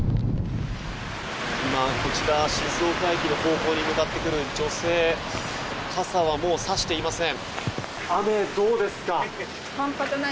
こちら、静岡駅の方向に向かってくる女性傘はもうさしていません。